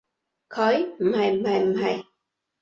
佢？唔係唔係唔係